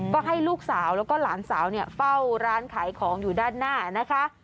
ก็ให้ลูกสาวแล้วก็หลานสาวเฝ้าร้านขายของอยู่ด้านหน้านะคะ